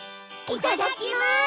いただきます！